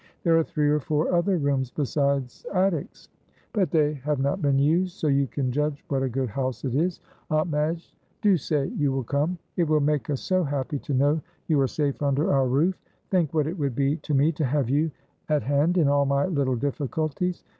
There are three or four other rooms besides attics, but they have not been used, so you can judge what a good house it is. Aunt Madge, do say you will come. It will make us so happy to know you are safe under our roof. Think what it would be to me to have you at hand in all my little difficulties.